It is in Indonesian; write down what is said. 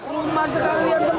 rumah sekalian tempat tinggal